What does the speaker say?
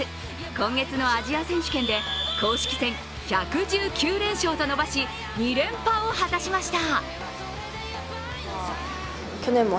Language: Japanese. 今月のアジア選手権で公式戦１１９連勝と伸ばし、２連覇を果たしました。